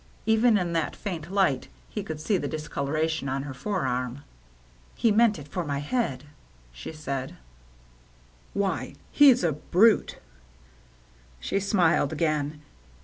Even in that faint light he could see the discoloration on her forearm. " He meant it for my head," she said. 158 THE MERRT ANNE " Why, he's a brute." She smiled again.